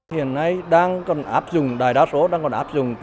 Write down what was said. hiện nay đang còn áp dụng đại đa số đang còn áp dụng